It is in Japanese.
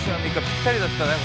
ぴったりだったね